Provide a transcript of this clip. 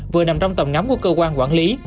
vừa nằm trong tầm ngắm của cơ quan quản lý